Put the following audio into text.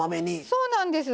そうなんです。